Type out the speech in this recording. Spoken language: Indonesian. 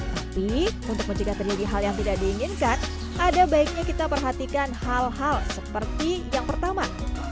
tapi untuk mencegah terjadi hal yang tidak diinginkan ada baiknya kita perhatikan hal hal seperti yang pertama